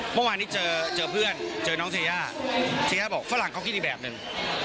เมื่อวานนี้เจอเพื่อนเจอน้องเทย่าเทย่าบอกฝรั่งเขาคิดอีกแบบหนึ่ง